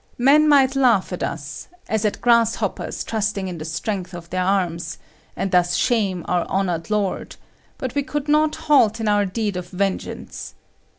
Men might laugh at us, as at grasshoppers trusting in the strength of their arms, and thus shame our honoured lord; but we could not halt in our deed of vengeance.